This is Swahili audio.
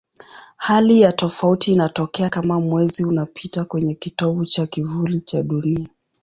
Hali ya tofauti inatokea kama Mwezi unapita kwenye kitovu cha kivuli cha Dunia.